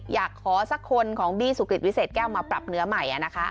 อยากขอสักคนของบี้สุกริตวิเศษแก้วมาปรับเนื้อใหม่